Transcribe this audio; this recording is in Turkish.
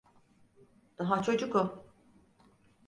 Daha çocuk o.